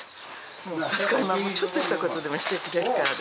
もうちょっとしたことでもしてくれるからですね。